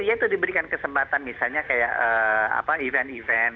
iya itu diberikan kesempatan misalnya kayak event event